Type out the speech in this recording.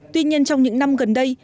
tuy nhiên trong những năm gần đây